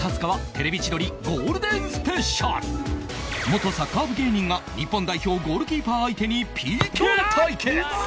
元サッカー部芸人が日本代表ゴールキーパー相手に ＰＫ 対決！